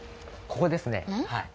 ここですねはい。